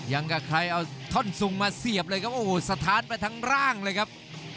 อย่างกับใครเอาท่อนซุงมาเสียบเลยครับโอ้โหสะท้านไปทั้งร่างเลยครับ